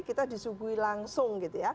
kita disuguhi langsung